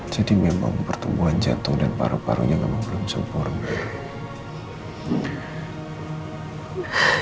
jadi memang pertumbuhan jantung dan paru parunya memang belum sempurna